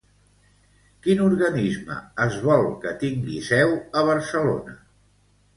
Quin organisme es vol que tingui seu a Barcelona?